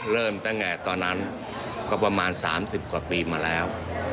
เริ่มตั้งแต่ตอนนั้นก็ประมาณ๓๐กว่าปีมาแล้ว